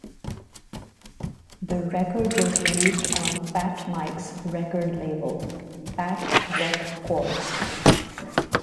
The record was released on Fat Mike's record label, Fat Wreck Chords.